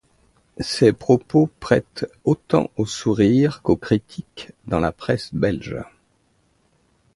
Ces propos prêtent autant aux sourires, qu'aux critiques dans la presse belge.